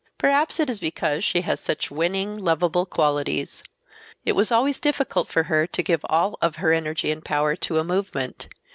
Perhaps it is because she has such winning, lovable qualities. It was always difficult for her to give all of her energy and power to a movement.